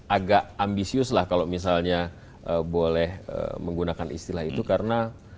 agak ambisius lah kalau misalnya boleh menggunakan istilah itu karena